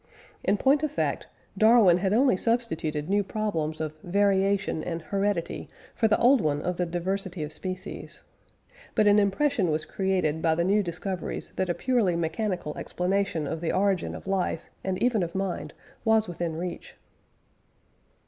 In point of fact, Darwin had only substituted new problems of "variation" and "heredity" for the old one of the diversity of species; but an impression was created by the new discoveries that a purely mechanical explanation of the origin of life and even of mind was within reach.